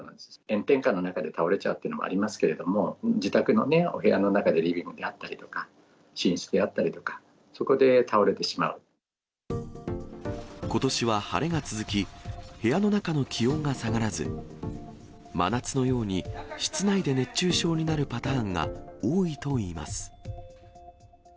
炎天下の中で倒れちゃうというのもありますけれども、自宅のね、お部屋の中で、リビングであったりとか、寝室であったりとか、ことしは晴れが続き、部屋の中の気温が下がらず、真夏のように室内で熱中症になるパターンが多いといいます。